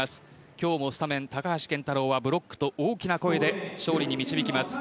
今日もスタメン、高橋健太郎はブロックと大きな声で勝利に導きます。